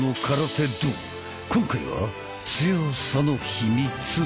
今回は「強さの秘密」。